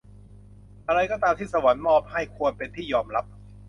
อะไรก็ตามที่สวรรค์มอบให้ควรเป็นที่ยอมรับ